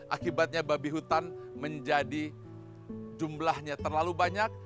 akibatnya babi hutan menjadi jumlahnya terlalu banyak